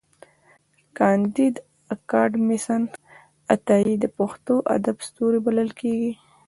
کانديد اکاډميسن عطايي د پښتو ادب ستوری بلل کېږي.